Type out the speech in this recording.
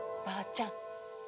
ばあちゃん